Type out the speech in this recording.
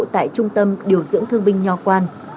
tại trung tâm điều dưỡng thương binh nho quan